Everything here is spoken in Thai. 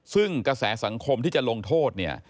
ซึ่งกระแสสังคมที่จะลงโทษ